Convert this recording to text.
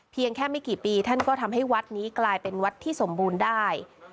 แค่ไม่กี่ปีท่านก็ทำให้วัดนี้กลายเป็นวัดที่สมบูรณ์ได้